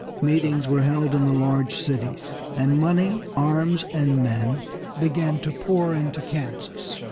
Meetings were held in the large cities, and money, arms, and men began to pour into Kansas.